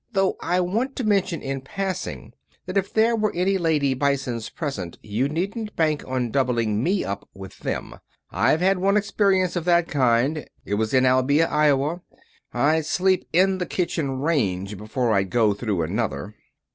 Though I want to mention in passing that if there are any lady Bisons present you needn't bank on doubling me up with them. I've had one experience of that kind. It was in Albia, Iowa. I'd sleep in the kitchen range before I'd go through another."